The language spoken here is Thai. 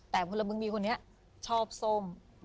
แต่พอแล้วมึงมีคนนี้ชอบส้ม